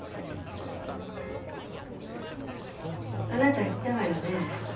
あなた言ったわよね？